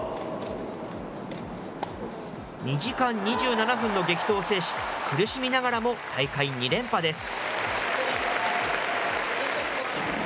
２時間２７分の激闘を制し、苦しみながらも大会２連覇です。